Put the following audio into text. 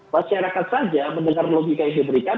masyarakat saja mendengar logika yang diberikan